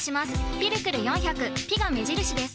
「ピルクル４００」「ピ」が目印です。